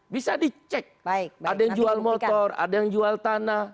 bisa dicek ada yang jual motor ada yang jual tanah